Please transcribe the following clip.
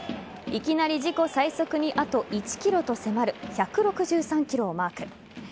いきなり自己最速にあと１キロと迫る１６３キロをマーク。